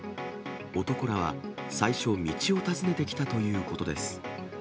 男らは最初、道を尋ねてきたということです。